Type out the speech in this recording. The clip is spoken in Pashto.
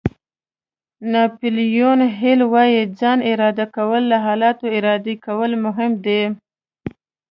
ناپیلیون هېل وایي ځان اداره کول له حالاتو اداره کولو مهم دي.